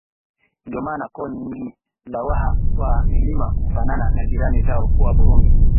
Ndio maana koo nyingi za waha wa milimani hufanana na jirani zao wa burundi